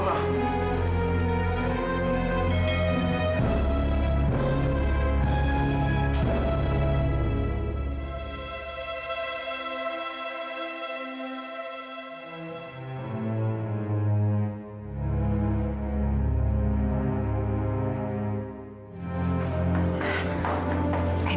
ini akrabnya sekalian